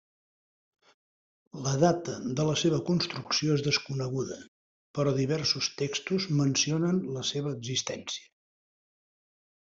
La data de la seva construcció és desconeguda, però diversos textos mencionen la seva existència.